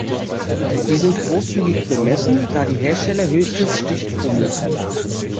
Sie sind großzügig bemessen, da die Hersteller höchstens Stichproben messen.